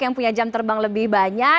yang punya jam terbang lebih banyak